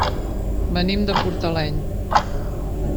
Venim de Fortaleny.